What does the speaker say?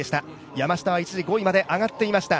山下は一時、５位まで上がっていました